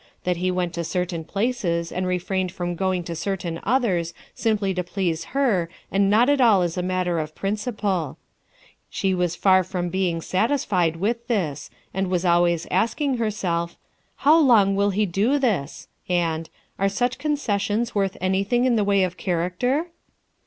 That he went to certain places and refrained from going to certain others simply to please her and not at all as a matter of prin ciple. She was far from being satisfied with this, and was always asking herself: "How long will he do this? " and "Are such concessions worth anything in the way of character?